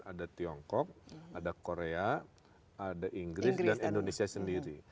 ada tiongkok ada korea ada inggris dan indonesia sendiri